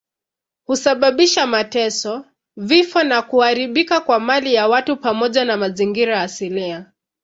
Husababisha mateso, vifo na kuharibika kwa mali ya watu pamoja na mazingira asilia.